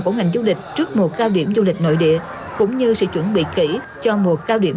của ngành du lịch trước mùa cao điểm du lịch nội địa cũng như sự chuẩn bị kỹ cho mùa cao điểm